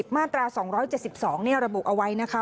มาตรา๒๗๒ระบุเอาไว้นะคะ